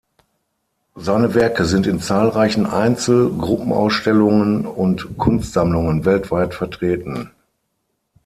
Seine Werke sind in zahlreichen Einzel-, Gruppenausstellungen und Kunstsammlungen weltweit vertreten.